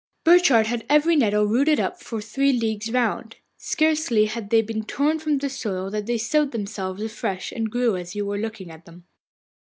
Burchard had every nettle rooted up for three leagues round. Scarcely had they been torn from the soil when they sowed themselves afresh, and grew as you were looking at them.